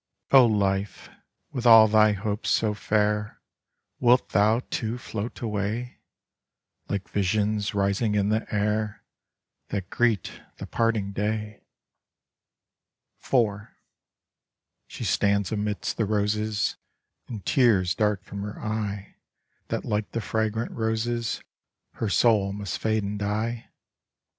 Oh life, with all thy hopes so fair, wilt thou too float away, like visions rising in the air that j^reet the parting day! IV She stands amidst the roses, and tears dart from her eye that like the fragrant roses her soul must fade and die. .